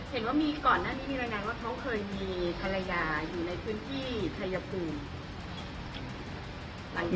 เห็นว่ามีก่อนหน้านี้มีรายงานว่าเขาเคยมีภรรยาอยู่ในพื้นที่ชายภูมิ